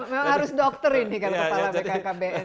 memang harus dokter ini kan kepala bkkbn